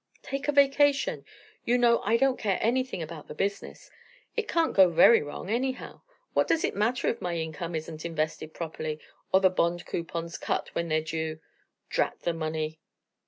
"Take a vacation. You know I don't care anything about the business. It can't go very wrong, anyhow. What does it matter if my income isn't invested properly, or the bond coupons cut when they're due? Drat the money!"